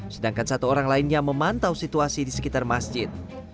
sedangkan satu orang lainnya memantau situasi di sekitar masjid